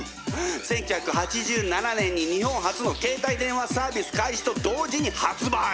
１９８７年に日本初の携帯電話サービス開始と同時に発売。